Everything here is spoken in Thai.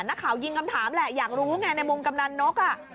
นักข่าวยิงคำถามแหละอยากรู้ไงในมุมกำนันนก